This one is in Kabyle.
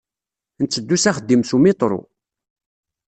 Ntteddu s axeddim s umiṭru.